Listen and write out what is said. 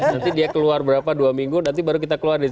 nanti dia keluar berapa dua minggu nanti baru kita keluarin